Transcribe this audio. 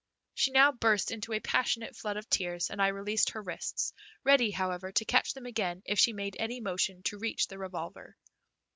She now burst into a passionate flood of tears, and I released her wrists, ready, however, to catch them again if she made any motion to reach the revolver.